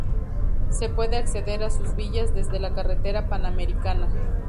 Se puede acceder a sus villas desde la carretera panamericana.